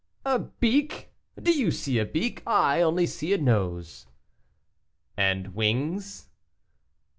"A beak! do you see a beak? I only see a nose." "And wings?"